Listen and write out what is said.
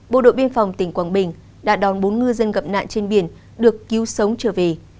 bộ đội biên phòng tỉnh quảng bình đã đón bốn ngư dân gặp nạn trên biển được cứu sống trở về